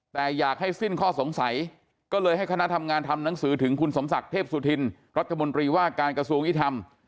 แต่อยากให้สิ้นข้อสงสัยก็เลยให้คณะทำงานทำหนังสือถึงคุณสมศักดิ์เทพสุธินรัฐมนตรีว่าการกระทรวงอิทธรรม